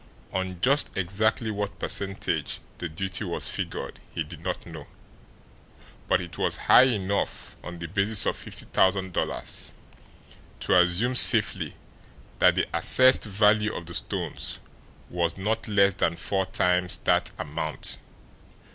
On just exactly what percentage the duty was figured he did not know; but it was high enough on the basis of fifty thousand dollars to assume safely that the assessed value of the stones was not less than four times that amount.